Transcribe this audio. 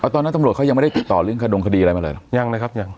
ตอนนั้นตำรวจเขายังไม่ได้ติดต่อเรื่องขดงคดีอะไรมาเลยเหรอยังเลยครับยัง